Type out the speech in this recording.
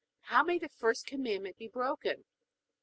How may the first Commandment be broken?